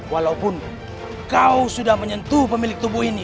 walaupun kau sudah menyentuh pemilik tubuh ini